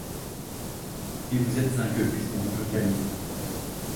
Et vous êtes un gueux, puisqu’on vous brutalise !